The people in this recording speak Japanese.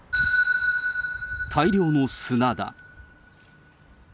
大量の砂だ。